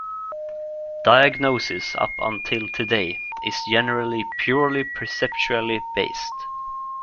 Diagnosis, up until today, is generally purely perceptually based.